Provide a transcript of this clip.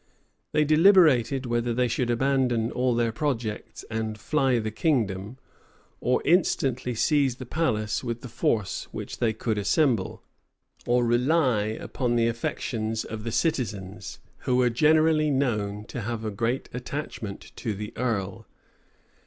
They deliberated, whether they should abandon all their projects, and fly the kingdom; or instantly seize the palace with the force which they could assemble; or rely upon the affections of the citizens, who were generally known to have a great attachment to the earl.